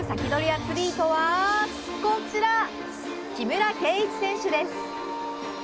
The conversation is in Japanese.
アツリートはこちら木村敬一選手です。